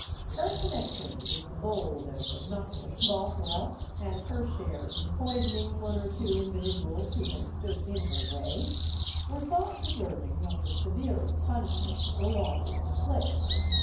Her connexion with the bold and obnoxious Bothwell, and her share in poisoning one or two individuals who had stood in her way, were thought deserving of the severest punishment the law could inflict.